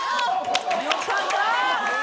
よかった！